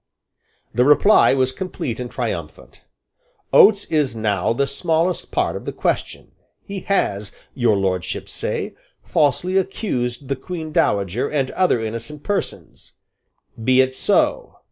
The reply was complete and triumphant. "Oates is now the smallest part of the question. He has, Your Lordships say, falsely accused the Queen Dowager and other innocent persons. Be it so.